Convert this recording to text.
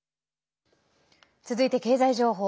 続いて経済情報。